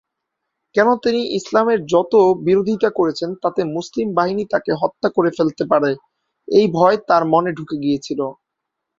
কেননা তিনি ইসলামের যত বিরোধিতা করেছেন তাতে মুসলিম বাহিনী তাকে হত্যা করে ফেলতে পারে, এই ভয় তার মনে ঢুকে গিয়েছিল।